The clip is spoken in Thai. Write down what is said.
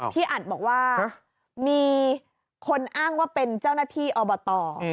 อัดบอกว่ามีคนอ้างว่าเป็นเจ้าหน้าที่อบต